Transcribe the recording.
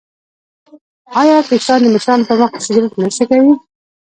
آیا کشران د مشرانو په مخ کې سګرټ نه څکوي؟